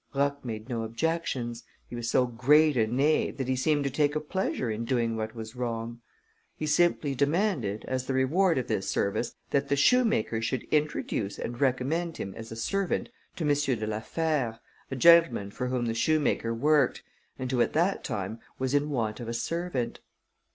Roch made no objections; he was so great a knave, that he seemed to take a pleasure in doing what was wrong. He simply demanded, as the reward of this service, that the shoemaker should introduce and recommend him, as a servant, to M. de la Fère, a gentleman for whom the shoemaker worked, and who at that time was in want of a servant.